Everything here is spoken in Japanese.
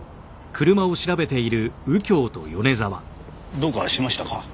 どうかしましたか？